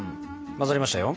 混ざりましたよ。